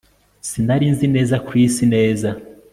Sinari nzi neza Chris neza